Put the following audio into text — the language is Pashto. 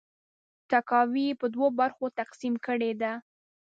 تاکاوی یې په دوه برخو تقسیم کړې ده.